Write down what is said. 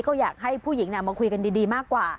ก็อยากให้ผู้หญิงมาคุยกันดีมากกว่า